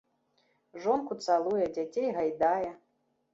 Жонку цалуе, дзяцей гайдае.